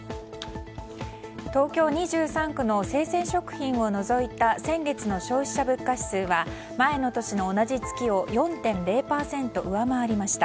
東京２３区の生鮮食品を除いた先月の消費者物価指数は前の年の同じ月を４．０％上回りました。